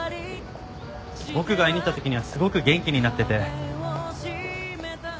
僕が会いに行った時にはすごく元気になってて。